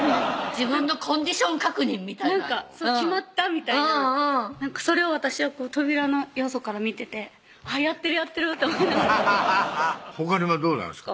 自分のコンディション確認みたいななんか「決まった」みたいなそれを私は扉のよそから見ててやってるやってると思いながらほかにはどうなんですか？